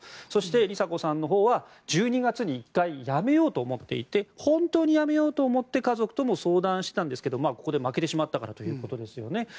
梨紗子さんのほうは１２月に１回やめようと思っていて本当にやめようと思って家族とも相談してたんですけどここで負けてしまったからですよね。